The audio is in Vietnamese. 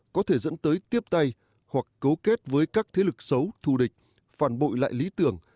có thể dẫn tới tiếp tay hoặc cấu kết với các thế lực xấu thù địch phản bội lại lý tưởng